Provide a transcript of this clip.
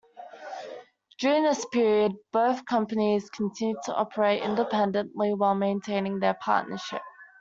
During this period, both companies continued to operate independently while maintaining their partnership.